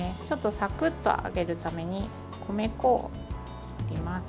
サクッと揚げるために米粉を入れます。